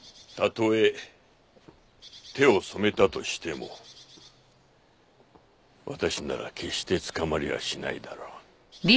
たとえ手を染めたとしても私なら決して捕まりはしないだろう。